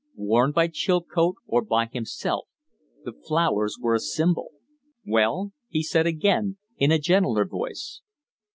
Worn by Chilcote or by himself, the flowers were a symbol! "Well?" he said again, in a gentler voice.